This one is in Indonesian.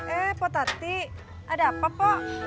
eh potati ada apa pak